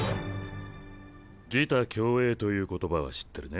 「自他共栄」という言葉は知ってるね？